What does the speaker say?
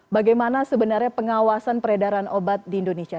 bagaimana sebenarnya pengawasan peredaran obat di indonesia